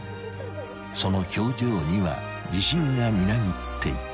［その表情には自信がみなぎっていた］